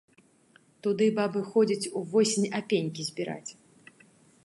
Туды бабы ходзяць увосень апенькі збіраць.